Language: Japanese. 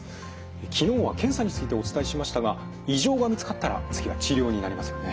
昨日は検査についてお伝えしましたが異常が見つかったら次は治療になりますよね。